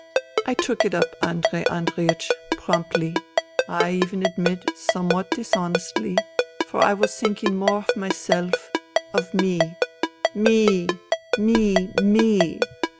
I took it up, Andrei Andreiech, promptly — I even admit somewhat dis honestly — for I was thinking more of myself, of me. Me ! me ! me